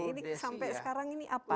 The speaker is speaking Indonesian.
ini sampai sekarang ini apa